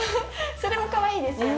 それもかわいいですよね。